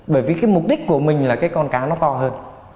bởi vì cái mục đích của mình là cái con cá nó to hơn